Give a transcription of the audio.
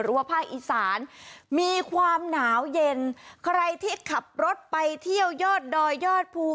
ว่าภาคอีสานมีความหนาวเย็นใครที่ขับรถไปเที่ยวยอดดอยยอดภู